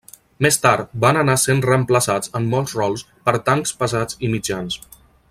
Més tard, van anar sent reemplaçats en molts rols per tancs pesats i mitjans.